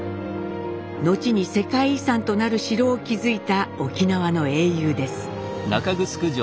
後に世界遺産となる城を築いた沖縄の英雄です。